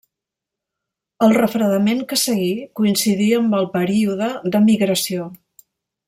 El refredament que seguí coincidí amb el període de migració.